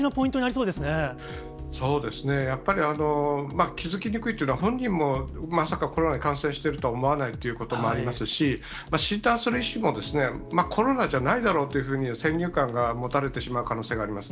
そうですね、やっぱり、気付きにくいというのは、本人もまさかコロナの感染しているとは思わないということもありますし、診断する医師も、コロナじゃないだろうというふうに先入観が持たれてしまう可能性があります。